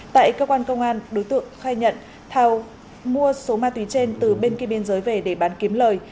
tại cơ quan công an đối tượng khai nhận thao mua số ma túy trên từ bên kia biên giới về để bán kiếm lời